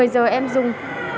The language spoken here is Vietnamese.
một mươi giờ em dùng